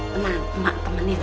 tenang mak temenin